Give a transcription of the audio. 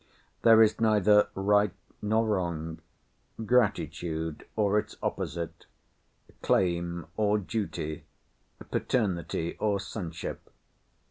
There is neither right nor wrong,—gratitude or its opposite,—claim or duty,—paternity or sonship.